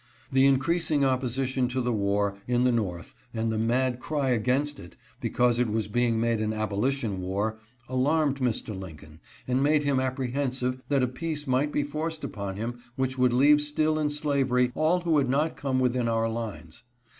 The increasing opposition to the war, in the North, and the mad cry against it, because it was being made an abolition war, alarmed Mr. Lincoln, and made him apprehensive that a peace might be forced upon him which would leave still in slavery all who had not come within our lines.